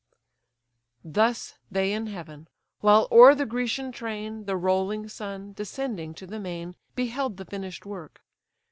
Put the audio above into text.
Thus they in heaven: while, o'er the Grecian train, The rolling sun descending to the main Beheld the finish'd work.